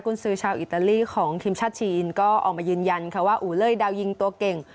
คุณซื้อชาวอิตาลีของทีมชาติจีนก็ออกมายืนยันค่ะว่าอูเล่ดาวยิงตัวเก่ง